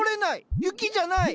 雪じゃない。